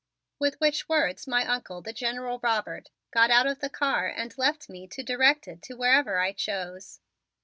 With which words my Uncle, the General Robert, got out of the car and left me to direct it to wherever I chose.